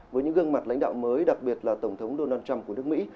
với những gương mặt lãnh đạo mới đặc biệt là tổng thống donald trump của nước mỹ